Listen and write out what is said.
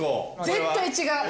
絶対違う？